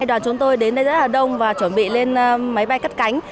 đoàn chúng tôi đến đây rất là đông và chuẩn bị lên máy bay cất cánh